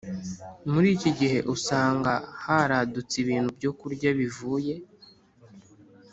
Murikigihe usanga haradutse ibintu byokurya bivuye